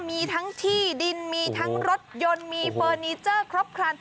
มีทั้งที่ดินมีทั้งรถยนต์มีเฟอร์นิเจอร์ครบครัน